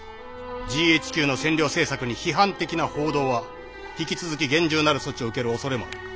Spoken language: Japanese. ＧＨＱの占領政策に批判的な報道は引き続き厳重なる措置を受けるおそれもある。